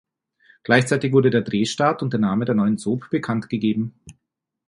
Gleichzeitig wurde der Drehstart und der Name der neuen Soap bekanntgegeben.